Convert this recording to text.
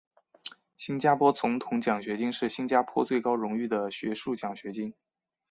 新加坡总统奖学金是新加坡最高荣誉的学术奖学金。